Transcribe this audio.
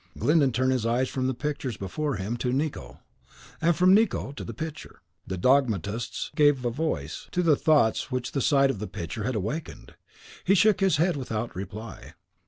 Glyndon turned his eyes from the picture before him to Nicot, and from Nicot to the picture. The dogmatist gave a voice to the thoughts which the sight of the picture had awakened. He shook his head without reply.